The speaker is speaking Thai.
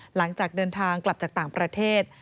หลังจากเดินทางกลับจากต่างประเทศ